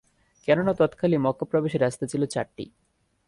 কেননা, তৎকালে মক্কা প্রবেশের রাস্তা ছিল চারটি।